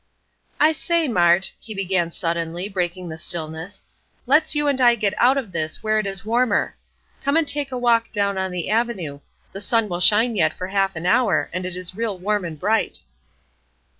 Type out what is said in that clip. "I say, Mart," he began, suddenly, breaking the stillness, "let's you and I get out of this, where it is warmer. Come and take a walk down on the avenue; the sun will shine yet for half an hour, and it is real warm and bright."